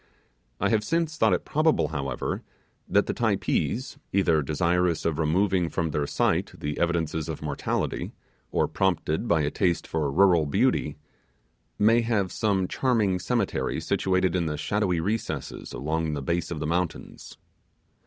I have since thought it probable, however, that the Typees, either desirous of removing from their sight the evidences of mortality, or prompted by a taste for rural beauty, may have some charming cemetery situation in the shadowy recesses along the base of the mountains.